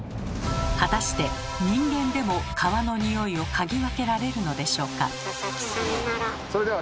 果たして人間でも川のニオイを嗅ぎ分けられるのでしょうか？